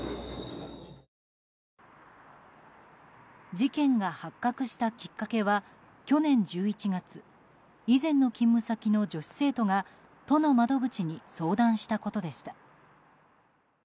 事件が発覚したきっかけは去年１１月以前の勤務先の女子生徒が都の窓口に相談したことでした。